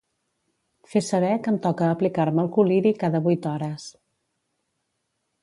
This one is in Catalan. Fer saber que em toca aplicar-me el col·liri cada vuit hores.